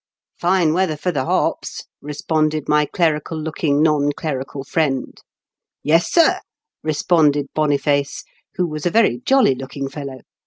" Fine weather for the hops," responded my clerical looking non clerical friend. "Yes, sir," responded BonifacQ, who was a very jolly looking fellow.